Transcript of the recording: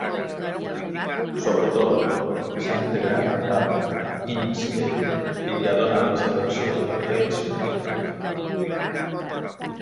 Sobre tot, s'ha integrat amb Inkscape i li ha donat la seva acció "Trace Bitmap".